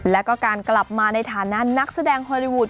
แล้วก็การกลับมาในฐานะนักแสดงฮอลลีวูด